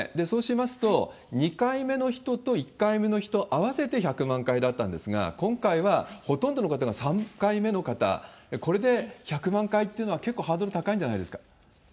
そうしますと、２回目の人と１回目の人合わせて１００万回だったんですが、今回は、ほとんどの方が３回目の方、これで１００万回っていうのは、結構ハードル高いんじゃないです